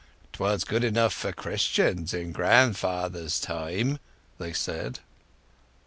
"'Twas good enough for Christians in grandfather's time," they said.